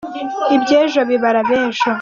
Iby’ejo bibara ab’ejo.